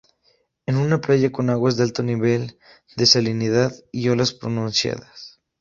Es una playa con aguas de alto nivel de salinidad y olas pronunciadas.